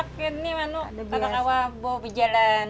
kemudian dia berjalan